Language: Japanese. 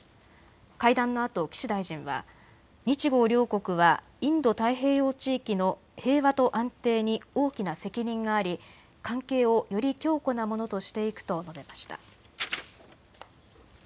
会談のあと岸大臣は日豪両国はインド太平洋地域の平和と安定に大きな責任があり関係をより強固なものとしていくと述べました。